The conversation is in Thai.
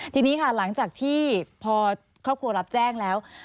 ทีนี้ค่ะหลังจากที่พอครอบครัวรับแจ้งแล้ว